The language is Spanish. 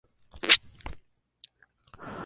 Dentro estaba la daga.